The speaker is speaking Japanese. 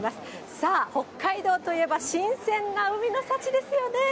さあ、北海道といえば新鮮な海の幸ですよね。